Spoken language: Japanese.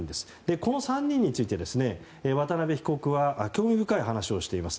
この３人について渡邉被告は興味深い話をしています。